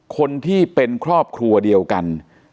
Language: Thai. คนที่เป็นครอบครัวเดียวกัน